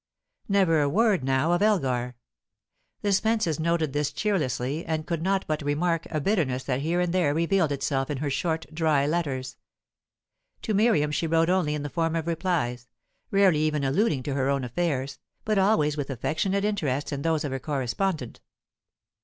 Never a word now of Elgar. The Spences noted this cheerlessly, and could not but remark a bitterness that here and there revealed itself in her short, dry letters. To Miriam she wrote only in the form of replies, rarely even alluding to her own affairs, but always with affectionate interest in those of her correspondent.